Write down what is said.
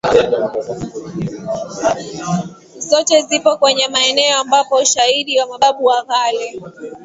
Zote zipo kwenye maeneo ambapo ushaidi wa mababu wa kale